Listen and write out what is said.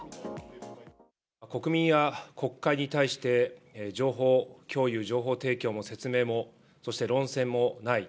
国民や国会に対して、情報共有、情報提供も説明も、そして論戦もない。